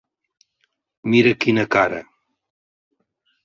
Mira quina cara.